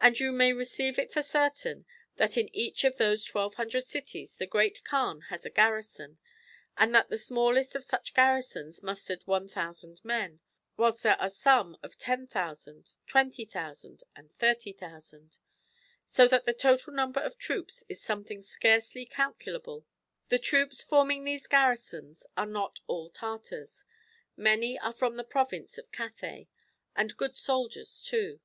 And you may receive it for certain that in each of those 1200 cities the Great Kaan has a garrison, and that the smallest of such garrisons musters 1000 men, whilst there are some of 10,000, 20,000, and 30,000; so that the total number of troops is something scarcely calcu lable. The troops forming these garrisons are not all Tartars. Many are from the province of Cathay, and good soldiers too.